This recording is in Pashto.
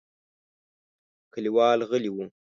کليوال غلي وو.